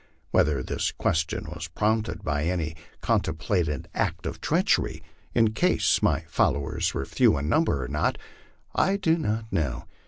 Whether this question was prompted by any contem plated act of treachery, in case my followers were few in number, or not, I do not know.